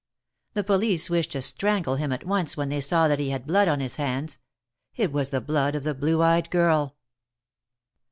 The police wished to strangle him at once when they saw that he had blood on his hands — it was the blood of the blue eyed girl.